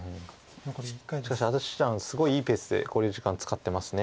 しかし安達七段すごいいいペースで考慮時間使ってます。